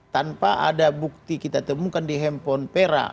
tanpa ada bukti kita temukan di handphone pera